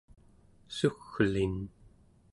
sugg'elin